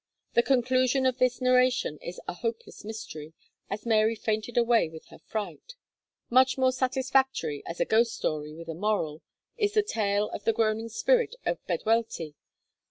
The conclusion of this narration is a hopeless mystery, as Mary fainted away with her fright. Much more satisfactory, as a ghost story with a moral, is the tale of the groaning spirit of Bedwellty.